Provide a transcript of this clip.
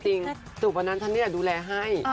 จริงสู่ปันนั้นฉันไม่ได้ดูแลให้